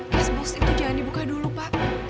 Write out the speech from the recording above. cashbook itu jangan dibuka dulu pak